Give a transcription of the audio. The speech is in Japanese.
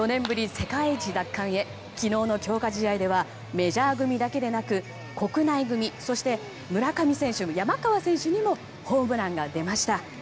世界一奪還へ昨日の強化試合ではメジャー組だけでなく国内組そして村上選手、山川選手にもホームランが出ました。